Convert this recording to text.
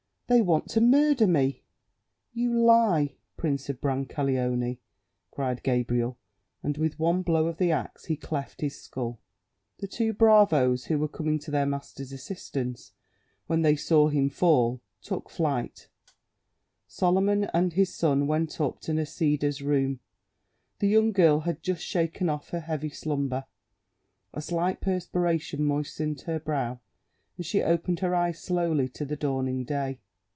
They want to murder me." "You lie, Prince of Brancaleone!" cried Gabriel, and with one blow of the axe he cleft his skull. The two bravoes who were coming to their master's assistance, when they saw him fall, took flight; Solomon and his son went up to Nisida's room. The young girl had just shaken off her heavy slumber; a slight perspiration moistened her brow, and she opened her eyes slowly to the dawning day.